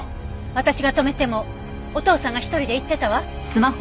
私が止めてもお父さんが一人で行ってたわ。